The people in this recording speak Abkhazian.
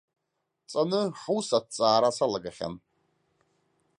Ҵаны, ҳус аҭҵаара салагахьан.